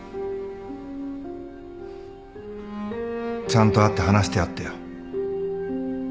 ちゃんと会って話してやってよ。